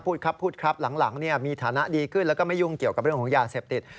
พูดครับพูดครับหลังมีฐานะดีขึ้นแล้วก็ไม่ยุ่งเกี่ยวกับเรื่องของยาเสพติด